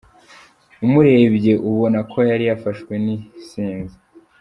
Umurebye ubona ko yari yafashwe n’isinzi.